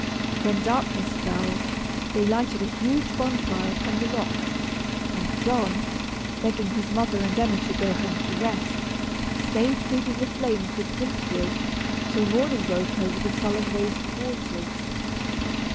When darkness fell, they lighted a huge bonfire upon the rocks, and John, begging his mother and Emma to go home to rest, stayed feeding the flames with drift wood, till morning broke over the sullen waste of waters.